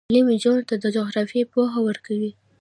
تعلیم نجونو ته د جغرافیې پوهه ورکوي.